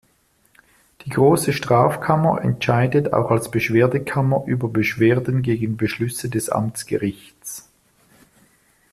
Die große Strafkammer entscheidet auch als Beschwerdekammer über Beschwerden gegen Beschlüsse des Amtsgerichts.